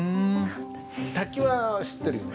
「滝」は知ってるよね？